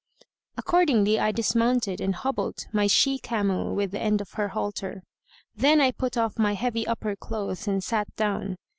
Accordingly, I dismounted and hobbled my she camel with the end of her halter;[FN#132] then I put off my heavy upper clothes and sat down.